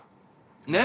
ねっ？